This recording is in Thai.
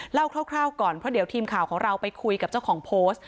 คร่าวก่อนเพราะเดี๋ยวทีมข่าวของเราไปคุยกับเจ้าของโพสต์